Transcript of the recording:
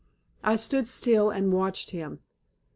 I stood still and watched him.